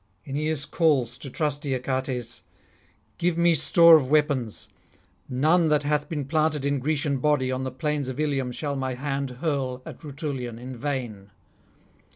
Aeneas calls to trusty Achates: 'Give me store of weapons; none that hath been planted in Grecian body on the plains of Ilium shall my hand hurl at Rutulian in vain.'